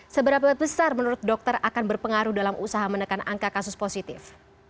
seberapa besar menurut dokter akan berpengaruh dalam usaha menekan angka kasus positif